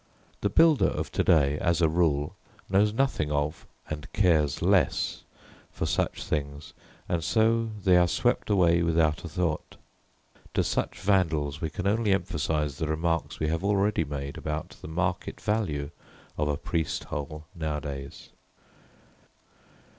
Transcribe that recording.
The builder of to day, as a rule, knows nothing of and cares less, for such things, and so they are swept away without a thought. To such vandals we can only emphasise the remarks we have already made about the market value of a "priest hole" nowadays.